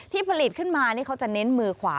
ผลิตขึ้นมานี่เขาจะเน้นมือขวา